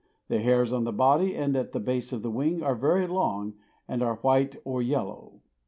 The hairs on the body and at the base of the wing are very long and are white or yellow.